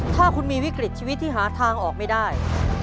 ถ้าคุณมีวิกฤตชีวิตที่หาทางออกไม่ได้